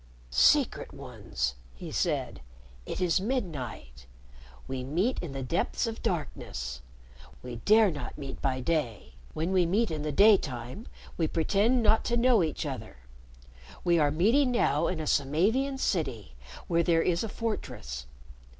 "Secret Ones," he said, "it is midnight. We meet in the depths of darkness. We dare not meet by day. When we meet in the daytime, we pretend not to know each other. We are meeting now in a Samavian city where there is a fortress.